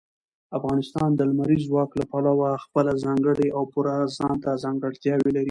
افغانستان د لمریز ځواک له پلوه خپله ځانګړې او پوره ځانته ځانګړتیاوې لري.